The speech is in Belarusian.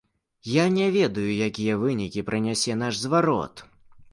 Я не ведаю, якія вынікі прынясе наш зварот.